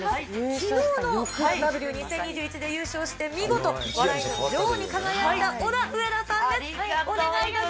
きのうのＴＨＥＷ２０２１で優勝して、見事笑いの女王に輝いたオダウエダさん。